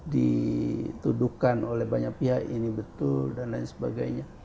dituduhkan oleh banyak pihak ini betul dan lain sebagainya